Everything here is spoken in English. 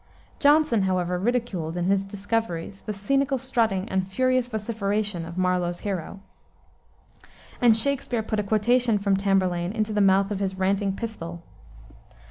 Jonson, however, ridiculed, in his Discoveries, the "scenical strutting and furious vociferation" of Marlowe's hero; and Shakspere put a quotation from Tamburlaine into the mouth of his ranting Pistol.